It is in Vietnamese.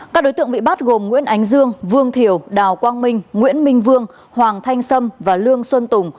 các đối tượng bị bắt gồm nguyễn ánh dương vương thiều đào quang minh nguyễn minh vương hoàng thanh sâm và lương xuân tùng